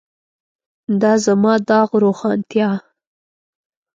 د زما داغ روښانتیا.